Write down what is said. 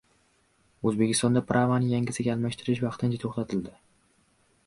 O‘zbekistonda «prava»ni yangisiga almashtirish vaqtincha to‘xtatildi